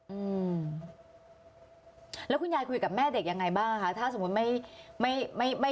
อื้อแล้วคุณยายคุยกับแม่เด่ะอย่างไงบ้างถ้าเสมอไม่ไม่